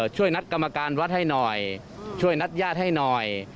ช่วยนัดกรรมการวัดให้หน่อยช่วยนัดญาติให้หน่อย